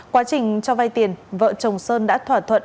quá trình cho vay tiền vợ chồng sơn đã thỏa thuận